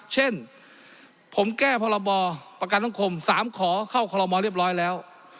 เช่นผมแก้พรปกรรม๓ขเข้าครบเรียบร้อยแล้ว